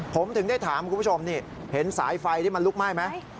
ผมถึงได้ถามคุณผู้ชมนี่เห็นสายไฟที่มันลุกไหม้ไหม